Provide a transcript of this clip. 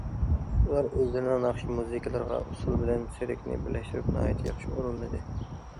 ئۇلار ئۆزلىرىنىڭ ناخشا- مۇزىكىلىرىغا ئۇسسۇل بىلەن سېركنى بىرلەشتۈرۈپ ناھايىتى ياخشى ئورۇنلىدى.